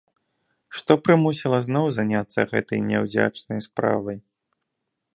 Што прымусіла зноў заняцца гэтай няўдзячнай справай?